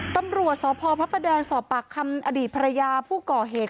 ตำรวจสพพปศปร์คำอดีตภรรยาผู้ก่อเหตุ